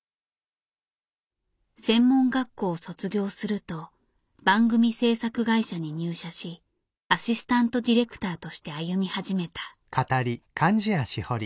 専門学校を卒業すると番組制作会社に入社しアシスタントディレクターとして歩み始めた。